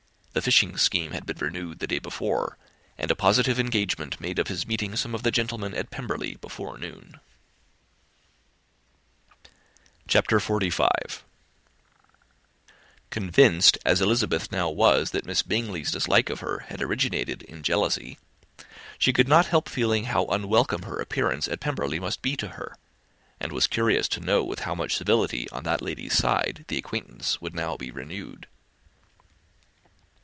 The fishing scheme had been renewed the day before, and a positive engagement made of his meeting some of the gentlemen at Pemberley by noon. [Illustration: "Engaged by the river" ] CHAPTER XLV. Convinced as Elizabeth now was that Miss Bingley's dislike of her had originated in jealousy, she could not help feeling how very unwelcome her appearance at Pemberley must be to her, and was curious to know with how much civility on that lady's side the acquaintance would now be renewed.